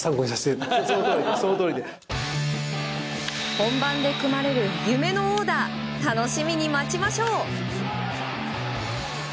本番で組まれる夢のオーダー楽しみに待ちましょう。